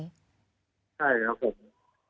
ใช่ครับผม